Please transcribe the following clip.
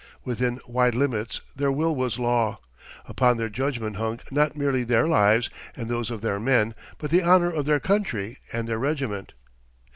Within wide limits their will was law. Upon their judgment hung not merely their lives and those of their men, but the honour of their country and their regiment.